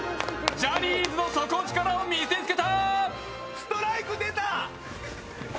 ジャニーズの底力を見せつけた！